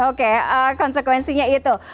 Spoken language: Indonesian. oke konsekuensinya itu